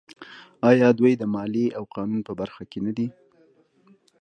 آیا دوی د مالیې او قانون په برخه کې نه دي؟